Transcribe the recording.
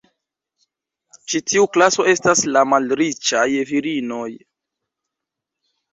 Ĉi tiu klaso estas la malriĉaj virinoj.